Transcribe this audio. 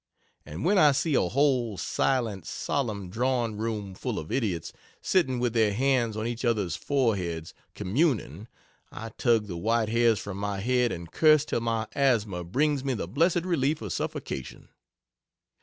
And when I see a whole silent, solemn drawing room full of idiots sitting with their hands on each other's foreheads "communing," I tug the white hairs from my head and curse till my asthma brings me the blessed relief of suffocation.